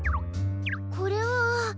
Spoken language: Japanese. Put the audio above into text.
これは。